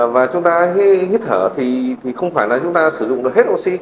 và chúng ta nghĩ thở thì không phải là chúng ta sử dụng được hết oxy